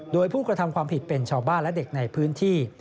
โดยผู้กระทำความผิดเป็นชาวบ้านและเด็กในพื้นที่